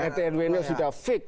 rtrw nya sudah fix